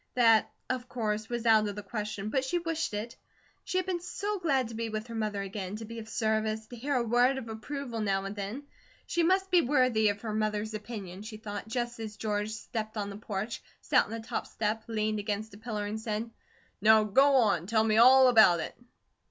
That, of course, was out of the question, but she wished it. She had been so glad to be with her mother again, to be of service, to hear a word of approval now and then. She must be worthy of her mother's opinion, she thought, just as George stepped on the porch, sat on the top step, leaned against a pillar, and said: "Now go on, tell me all about it."